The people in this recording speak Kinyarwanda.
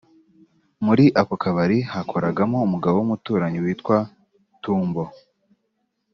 muri ako kabari hakoragamo umugabo w’umuturanyi witwaga Tumbo